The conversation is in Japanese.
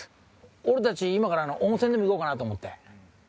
俺たち今から温泉でも行こうかなと思って。